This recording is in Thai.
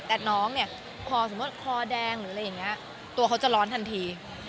แต่น้องเนี่ยคอแดงตัวเขาจะร้อนทันที